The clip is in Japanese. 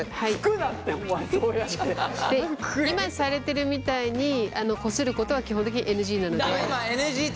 今されてるみたいにこすることは基本的にＮＧなので。